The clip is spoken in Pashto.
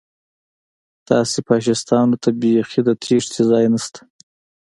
تاسې فاشیستانو ته بیخي د تېښتې ځای نشته